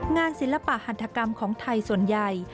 ศิลปะหันธกรรมของไทยส่วนใหญ่